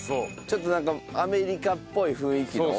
ちょっとなんかアメリカっぽい雰囲気の。